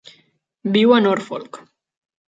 Viu a Norfolk.